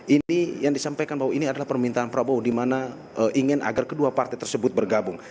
ini yang disampaikan bahwa ini adalah permintaan prabowo di mana ingin agar kedua partai tersebut bergabung